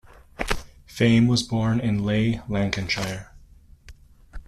Fame was born in Leigh, Lancashire.